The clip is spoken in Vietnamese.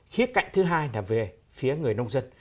khía cạnh thứ hai là về phía người nông dân